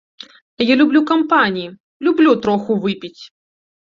Я люблю кампаніі, люблю троху выпіць.